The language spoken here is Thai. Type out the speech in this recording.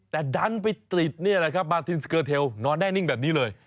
แต่ดันไปติดนี่แหละครับมาทินสเกอร์เทลนอนแน่นิ่งแบบนี้เลย